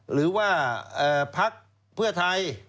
หรือว่าพักเพื่อไทย